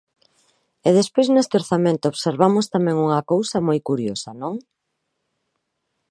E despois neste orzamento observamos tamén unha cousa moi curiosa, ¿non?